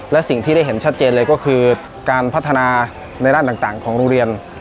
และสิ่งที่ได้เห็นชัดเจนเลยก็คือการพัฒนาในด้านต่างของโรงเรียน